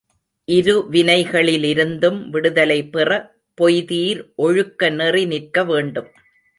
இருவினைகளிலிருந்தும் விடுதலை பெற, பொய்தீர் ஒழுக்கநெறி நிற்க வேண்டும்.